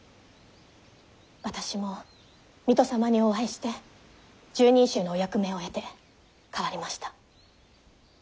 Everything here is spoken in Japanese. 私も水戸様にお会いして拾人衆のお役目を得て変わりました。